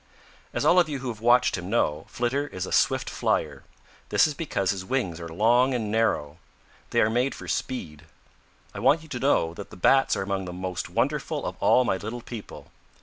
"As all of you who have watched him know, Flitter is a swift flier. This is because his wings are long and narrow. They are made for speed. I want you to know that the Bats are among the most wonderful of all my little people.